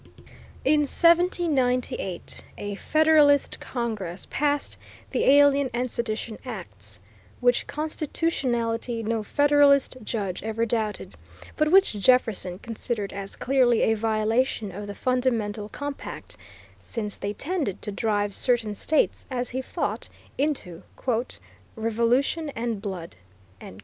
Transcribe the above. In 1798 a Federalist Congress passed the Alien and Sedition Acts, whose constitutionality no Federalist judge ever doubted, but which Jefferson considered as clearly a violation of the fundamental compact, since they tended to drive certain states, as he thought, into "revolution and blood."